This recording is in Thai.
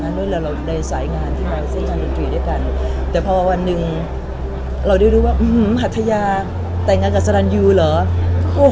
ในสายงานที่ไปสร้างบินสีด้วยกันแต่พอวันนึงเราเตรียมว่าหัทยาแต่งงานกับสลันอยู่แล้วเหรอ